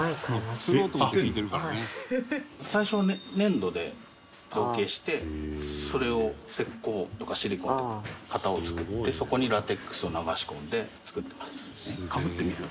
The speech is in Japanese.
最初は粘土で造形してそれを石膏とかシリコーンで型を作ってそこにラテックスを流し込んで作ってます。